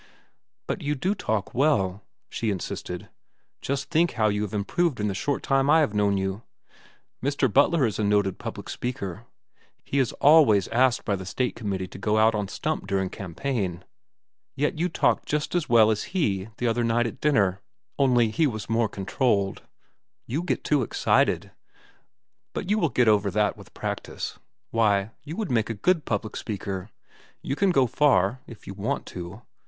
"But you do talk well," she insisted. "Just think how you have improved in the short time I have known you. Mr. Butler is a noted public speaker. He is always asked by the State Committee to go out on stump during campaign. Yet you talked just as well as he the other night at dinner. Only he was more controlled. You get too excited; but you will get over that with practice. Why, you would make a good public speaker. You can go far—if you want to.